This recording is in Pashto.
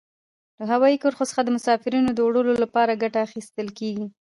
له هوایي کرښو څخه د مسافرینو د وړلو لپاره ګټه اخیستل کیږي.